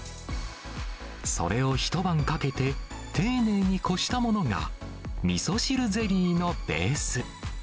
それを一晩かけて丁寧にこしたものが、みそ汁ゼリーのベース。